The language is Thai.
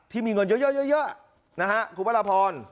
ที่มีเงินเยอะนะฮะคุณพระราพร